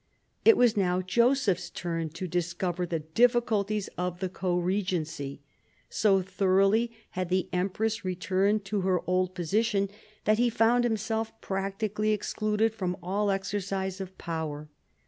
It was now Joseph's turn to discover the difficulties of the co regency. So thoroughly had the empress returned to her old position, that he found himself practically excluded from all* exercise of power.